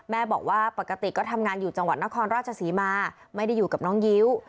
แม่บอกว่าปกติก็ทำงานอยู่จังหวัดนครราชศรีมาไม่ได้อยู่กับน้องยิ้ว